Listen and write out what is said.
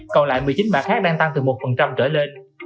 còn lại một mươi chín mã khác đang tăng từ một trở lên